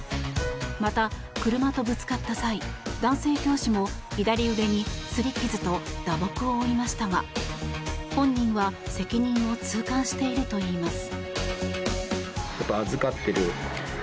また車とぶつかった際男性教師も左腕にすり傷と打撲を負いましたが本人は責任を痛感しているといいます。